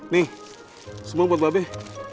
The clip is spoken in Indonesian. nih semua buat babeh